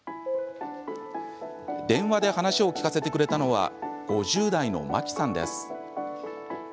電話で話を聞かせてくれたのは５０代のマキさんです。